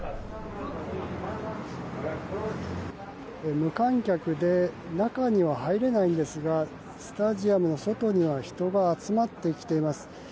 無観客で中には入れないんですがスタジアムの外には人が集まってきています。